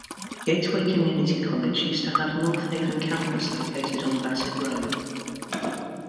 Gateway Community College used to have North Haven campus located on Bassett Road.